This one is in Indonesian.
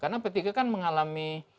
karena p tiga kan mengalami